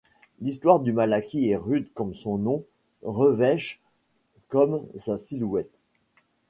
L'histoire du Malaquis est rude comme son nom, revêche comme sa silhouette.